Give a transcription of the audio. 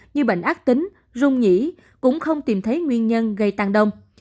như bệnh ác tính rung nhỉ cũng không tìm thấy nguyên nhân gây tăng đông